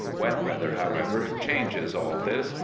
Wet weather, however, changes all this.